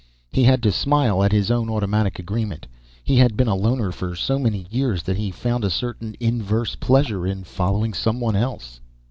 He had to smile at his own automatic agreement. He had been a loner for so many years that he found a certain inverse pleasure in following someone else.